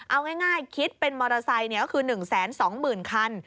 เอาง่ายคิดเป็นมอเตอร์ไซค์ก็คือ๑๒๐๐๐คัน